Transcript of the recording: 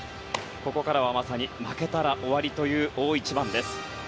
ここからはまさに負けたら終わりという大一番です。